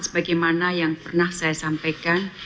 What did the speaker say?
sebagaimana yang pernah saya sampaikan